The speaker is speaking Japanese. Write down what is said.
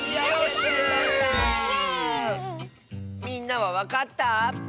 みんなはわかった？